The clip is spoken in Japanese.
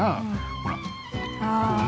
ほら。